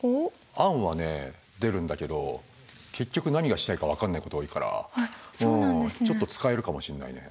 案はね出るんだけど結局何がしたいか分かんないこと多いからちょっと使えるかもしれないね。